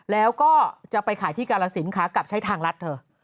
แล้วก็จะไปขายที่กาลสินค้ากลับใช้ทางรัฐเธอ